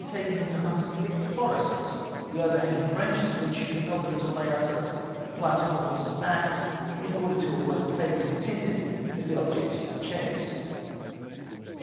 7i taking iis amongst thick forests, tlie overhanging branches of which compelled us to lay om^selves flat on the horses' backs, in order to avoid the fate intended for the objects of the chase.